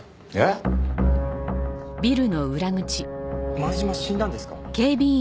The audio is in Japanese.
前島死んだんですか？